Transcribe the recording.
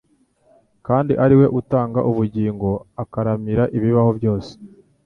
kandi ariwe utanga ubugingo akaramira ibibaho byose.